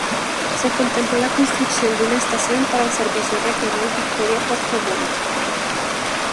Se contempla la construcción de una estación para el Servicio Regional Victoria-Puerto Montt.